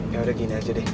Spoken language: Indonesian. yang udah begini aja deh